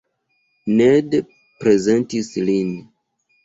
Ned prezentis lin.